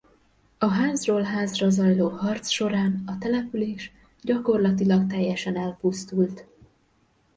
A házról-házra zajló harc során a település gyakorlatilag teljesen elpusztult.